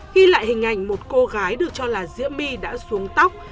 ghi lại hình ảnh một cô gái được cho là diễm my đã xuống tóc